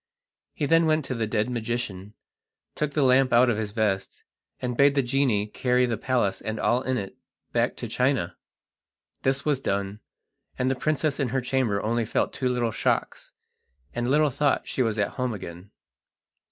He then went to the dead magician, took the lamp out of his vest, and bade the genie carry the palace and all in it back to China. This was done, and the princess in her chamber only felt two little shocks, and little thought she was at home again.